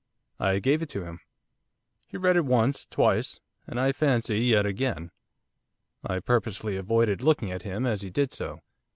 I gave it to him. He read it once, twice, and I fancy yet again. I purposely avoided looking at him as he did so.